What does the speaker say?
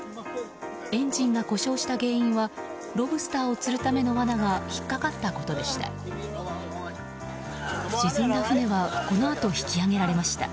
エンジンが故障した原因はロブスターを釣るための罠が引っかかったことでした。